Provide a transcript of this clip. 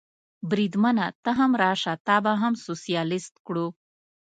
بریدمنه، ته هم راشه، تا به هم سوسیالیست کړو.